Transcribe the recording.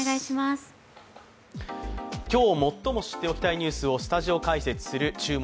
今日、最も知っておきたいニュースをスタジオ解説する「注目！